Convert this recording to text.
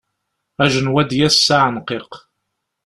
Ajenwi ad d-yas s aεenqiq.